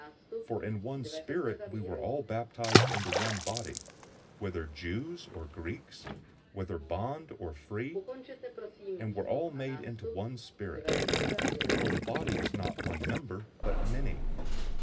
012:013 For in one Spirit we were all baptized into one body, whether Jews or Greeks, whether bond or free; and were all given to drink into one Spirit. 012:014 For the body is not one member, but many.